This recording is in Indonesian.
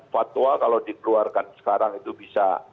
fatwa kalau dikeluarkan sekarang itu bisa